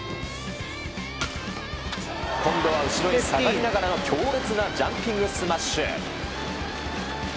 今度は後ろへ下がりながらの強烈なジャンピングスマッシュ。